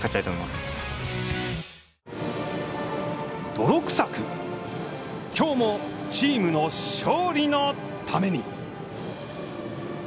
泥くさく、きょうもチームの勝利のために。